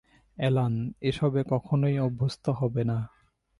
Alan, এসবে কখনোই অভ্যস্ত হবে না।